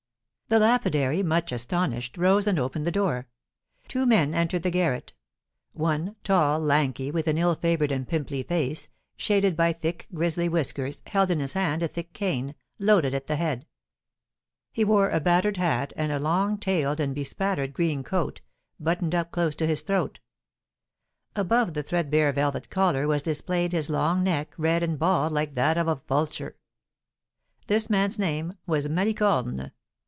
The lapidary, much astonished, rose and opened the door. Two men entered the garret. One, tall, lanky, with an ill favoured and pimply face, shaded by thick grizzly whiskers, held in his hand a thick cane, loaded at the head; he wore a battered hat, and a long tailed and bespattered green coat, buttoned up close to his throat. Above the threadbare velvet collar was displayed his long neck, red and bald like that of a vulture. This man's name was Malicorne.